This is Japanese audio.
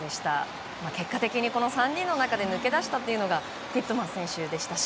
結果的にこの３人の中で抜け出したのがティットマス選手でしたし